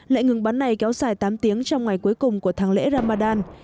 lệnh ngừng bắn này kéo dài tám tiếng trong ngày cuối cùng của tháng lễ ramadan